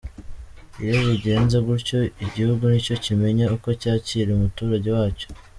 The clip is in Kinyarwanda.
Iyo bigenze gutyo igihugu nicyo kimenya uko cyakira umuturage wacyo.